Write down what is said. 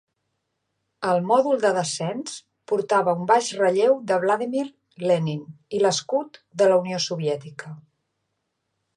El mòdul de descens portava un baix relleu de Vladimir Lenin i l'escut de la Unió Soviètica.